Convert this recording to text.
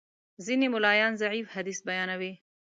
ځینې ملایان ضعیف حدیث بیانوي.